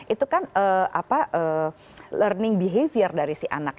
itu kan learning behavior dari si anak